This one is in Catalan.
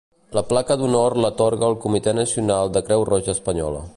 La Placa d'Honor l'atorga el Comitè Nacional de Creu Roja Espanyola.